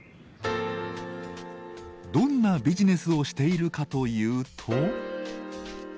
どんなビジネスをしているかというと。